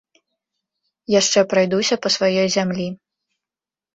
Яшчэ прайдуся па сваёй зямлі.